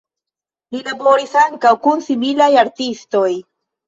Li laboris ankaŭ kun similaj artistoj.